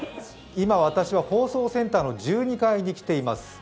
今、私は放送センターの１２階に来ています。